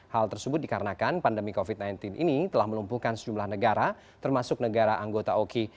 hal tersebut dikarenakan pandemi covid sembilan belas ini telah melumpuhkan sejumlah negara termasuk negara anggota oki